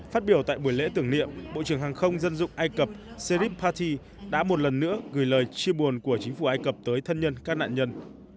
phát biểu tại buổi lễ tưởng niệm bộ trưởng hàng không dân dụng ai cập serrip paty đã một lần nữa gửi lời chia buồn của chính phủ ai cập tới thân nhân các nạn nhân